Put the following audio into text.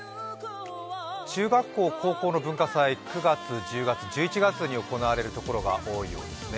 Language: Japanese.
中学校、高校の文化祭、９月、１０月、１１月に行われる所が多いようですね。